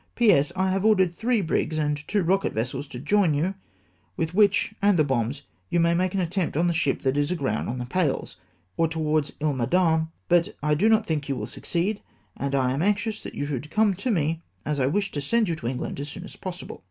" P.S. — I have ordered three brigs and tivo rochet vessels to join you, with which, and the bomb, you may make an attempt on the ship that is aground on the Palles, or towards lie Madame, but I do not think you will succeed; and I am anxious that you should come to me, as I wish to send you to England as soon as possible.